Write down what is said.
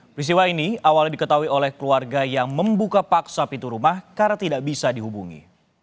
peristiwa ini awalnya diketahui oleh keluarga yang membuka paksa pintu rumah karena tidak bisa dihubungi